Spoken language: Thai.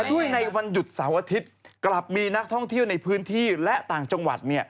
ด้วยในวันหยุดเสาร์อาทิตย์กลับมีนักท่องเที่ยวในพื้นที่และต่างจังหวัด